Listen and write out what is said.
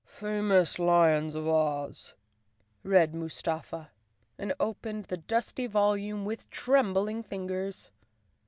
"Famous Lions of Oz," read Mustafa, and opened the dusty volume with trembling fingers.